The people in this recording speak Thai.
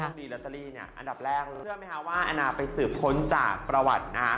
ช่องโชคดีลอตเตอรี่เนี่ยอันดับแรกเชื่อไหมคะว่าอาณาไปสืบค้นจากประวัตินะ